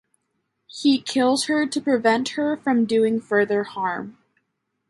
He kills her to prevent her from doing further harm.